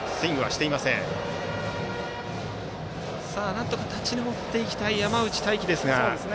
なんとか立ち直っていきたい山内太暉ですが。